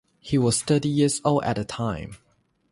He was thirty years old at the time.